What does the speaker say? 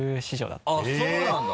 あっそうなんだ？